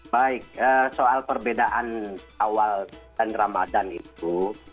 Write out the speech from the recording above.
baik soal perbedaan awal dan ramadan itu